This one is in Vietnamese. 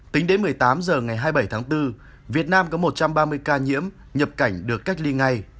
tính đến một mươi tám h ngày hai mươi bảy tháng bốn việt nam có một trăm ba mươi ca nhiễm nhập cảnh được cách ly ngay